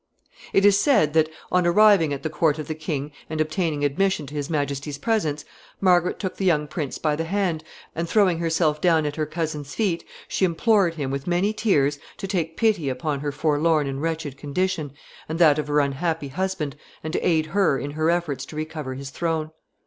] It is said that, on arriving at the court of the king and obtaining admission to his majesty's presence, Margaret took the young prince by the hand, and, throwing herself down at her cousin's feet, she implored him, with many tears, to take pity upon her forlorn and wretched condition, and that of her unhappy husband, and to aid her in her efforts to recover his throne.